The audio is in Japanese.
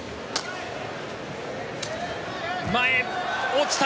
前、落ちた。